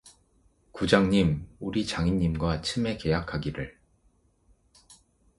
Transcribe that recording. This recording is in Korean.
"구장님! 우리 장인님과 츰에 계약하기를……"